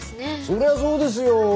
そりゃそうですよ！